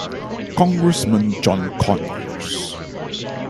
Congressman John Conyers.